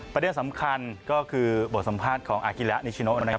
ประเด็นสำคัญก็คือบทสัมภาษณ์ของอากิระนิชโนนะครับ